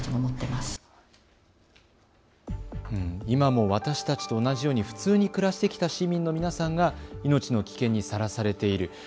今も私たちと同じように普通に暮らしてきた市民の皆さんが命の危険にさらされている。